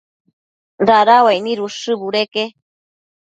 dada uaic nid ushë budeque